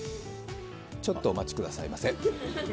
ちょっとお待ちくださいませ。